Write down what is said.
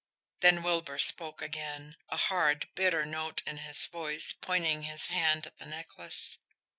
Then Wilbur spoke again, a hard, bitter note in his voice, pointing his hand at the necklace.